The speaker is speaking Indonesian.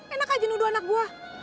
enak aja nuduh anak buah